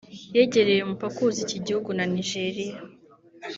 yegereye umupaka uhuza iki gihugu na Nigeria